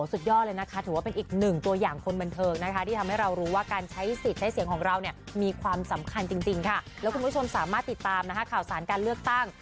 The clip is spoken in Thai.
สุดยอดเลยนะคะถือว่าเป็นอีกหนึ่งตัวอย่างคนบันเทิงนะคะที่ทำให้เรารู้ว่าการใช้สิทธิ์ใช้เสียงของเราเนี่ยมีความสำคัญจริงค่ะแล้วคุณผู้ชมสามารถติดตามนะคะข่าวสารการเลือกตั้ง